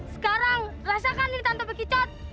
sekarang rasakan ini tante bekicot